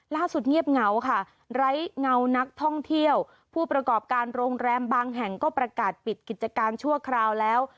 เงียบเหงาค่ะไร้เงานักท่องเที่ยวผู้ประกอบการโรงแรมบางแห่งก็ประกาศปิดกิจการชั่วคราวแล้ว